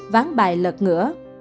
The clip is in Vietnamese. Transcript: ván bài lật ngửa